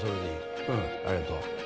うんありがとう。